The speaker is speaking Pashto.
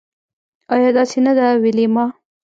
ایا داسې نده ویلما